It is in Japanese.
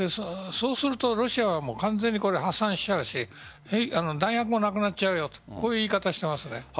そうするとロシアは完全に破産しちゃうし弾薬もなくなっちゃうという言い方もしています。